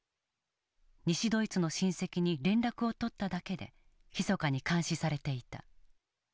西ドイツの親戚に連絡を取っただけでひそかに監視されていた。